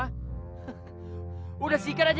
sudah sikat saja